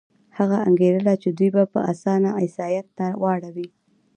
هغه انګېرله چې دوی به په اسانه عیسایت ته واوړي.